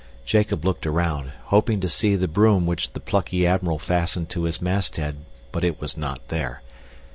Jacob looked around, hoping to see the broom which the plucky admiral fastened to his masthead, but it was not there.